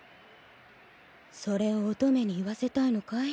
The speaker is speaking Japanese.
それを乙女に言わせたいのかい？